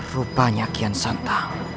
rupanya kian santang